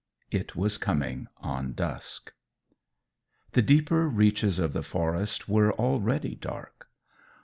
It was coming on dusk. The deeper reaches of the forest were already dark.